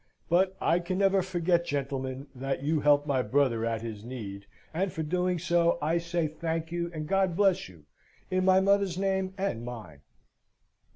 But I can never forget, gentlemen, that you helped my brother at his need, and, for doing so, I say thank you, and God bless you, in my mother's name and mine."